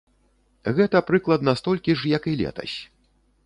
Гэта прыкладна столькі ж, як і летась.